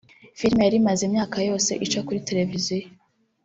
Film yari imaze imyaka yose ica kuri televiziyo